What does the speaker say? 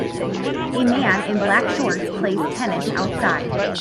A man in black shorts plays tennis outside.